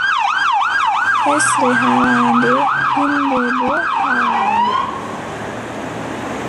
Hesre haarannde, hiinde boo haarannde.